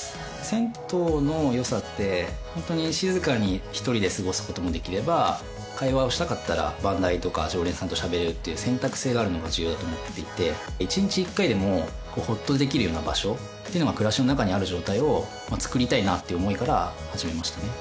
銭湯のよさって本当に静かに一人で過ごすこともできれば会話をしたかったら番台とか常連さんとしゃべれるっていう選択性があるのが重要だと思っていて１日１回でもホッとできるような場所っていうのが暮らしの中にある状態をつくりたいなっていう思いから始めましたね